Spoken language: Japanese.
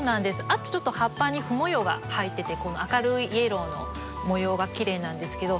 あとちょっと葉っぱにふ模様が入っててこの明るいイエローの模様がきれいなんですけど。